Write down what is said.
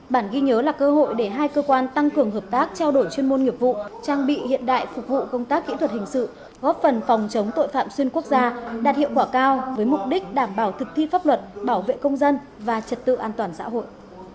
bản ghi nhớ là cơ hội để hai cơ quan tăng cường hợp tác trao đổi chuyên môn nghiệp vụ trang bị hiện đại phục vụ công tác kỹ thuật hình sự góp phần phòng chống tội phạm xuyên quốc gia đạt hiệu quả cao với mục đích đảm bảo thực thi pháp luật bảo vệ công dân và trật tự an toàn xã hội